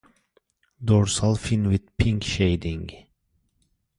Dorsal fin with pink shading.